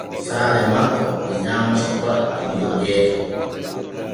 Saare makko e nyaama sokora e li’o gooto.